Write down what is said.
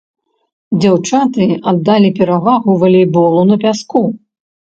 Дзяўчаты аддалі перавагу валейболу на пяску.